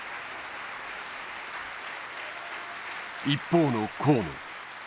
一方の河野。